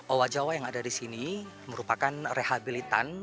owa jawa yang ada di sini merupakan rehabilitan